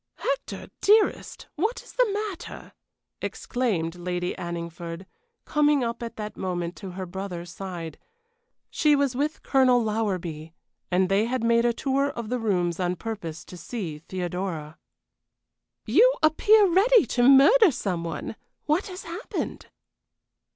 "Hector, dearest, what is the matter?" exclaimed Lady Anningford, coming up at that moment to her brother's side. She was with Colonel Lowerby, and they had made a tour of the rooms on purpose to see Theodora. "You appear ready to murder some one. What has happened?"